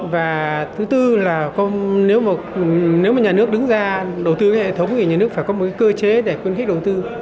và thứ tư là nếu mà nếu mà nhà nước đứng ra đầu tư hệ thống thì nhà nước phải có một cơ chế để khuyến khích đầu tư